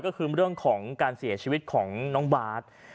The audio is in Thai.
ก็คือเรื่องของการเสียชีวิตของน้องบาท